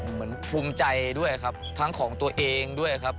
ภูมิใจด้วยครับทั้งของตัวเองด้วยครับ